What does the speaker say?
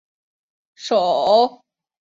首府帕利尼。